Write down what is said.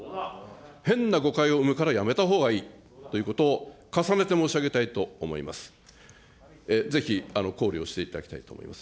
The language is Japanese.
変な誤解を生むからやめたほうがいいということを重ねて申し上げたいと思います。